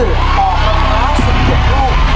ต่อมาได้ศิลปุกรุก